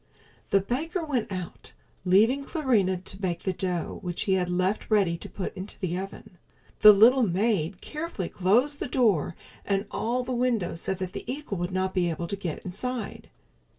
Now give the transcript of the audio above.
The baker went out, leaving Clarinha to bake the dough which he had left ready to put into the oven. The little maid carefully closed the door and all the windows so that the eagle would not be able to get inside.